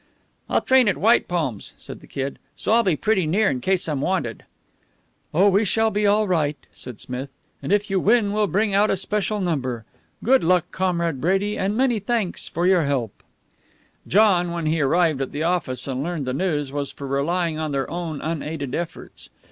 "I'll train at White Plains," said the Kid, "so I'll be pretty near in case I'm wanted." "Oh, we shall be all right," said Smith, "and if you win, we'll bring out a special number. Good luck, Comrade Brady, and many thanks for your help." John, when he arrived at the office and learned the news, was for relying on their own unaided efforts.